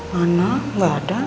mana nggak ada